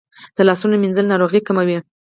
د لاسونو مینځل ناروغۍ کموي.